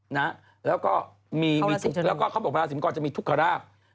แล้วก็เขาบอกว่าราศีมังกรจะมีทุกขราบ